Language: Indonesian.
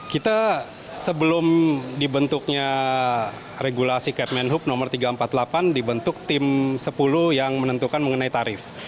kita sebelum dibentuknya regulasi kemenhub nomor tiga ratus empat puluh delapan dibentuk tim sepuluh yang menentukan mengenai tarif